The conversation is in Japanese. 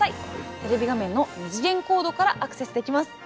テレビ画面の二次元コードからアクセスできます。